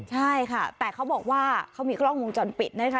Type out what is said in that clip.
ใช่ค่ะแต่เขาบอกว่าเขามีกล้องวงจรปิดนะคะ